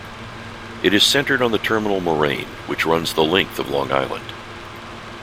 It is centered on the terminal moraine which runs the length of Long Island.